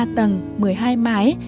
ba tầng một mươi hai mái